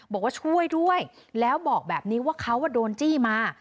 บอกว่าช่วยด้วยแล้วบอกแบบนี้ว่าเขาโดนจี้มา